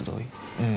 うん。